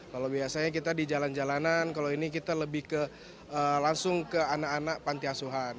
kalau biasanya kita di jalan jalanan kalau ini kita lebih langsung ke anak anak panti asuhan